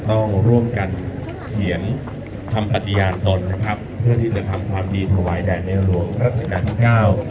ต้องร่วมกันเขียนคำปฏิญาณตนนะครับเพื่อที่จะทำความดีถวายแด่ในหลวงรัชกาลที่เก้า